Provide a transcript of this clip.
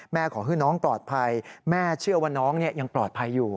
ขอให้น้องปลอดภัยแม่เชื่อว่าน้องยังปลอดภัยอยู่